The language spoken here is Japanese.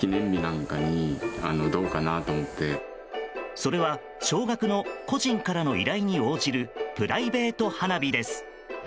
それは少額の個人からの依頼に応じるプライベート花火です。